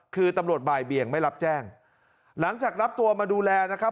คือตำรวจบ่ายเบียงไม่รับแจ้งหลังจากรับตัวมาดูแลนะครับ